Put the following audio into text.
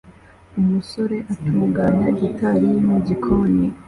Umusore atunganya gitari ye mu gikoni